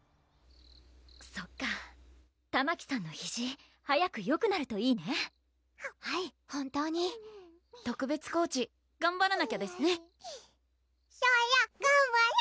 そっかたまきさんのひじ早くよくなるといいねはい本当に特別コーチがんばらなきゃですねソラがんばれ！